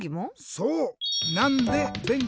そう！